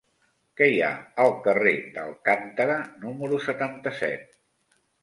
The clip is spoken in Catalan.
Què hi ha al carrer d'Alcántara número setanta-set?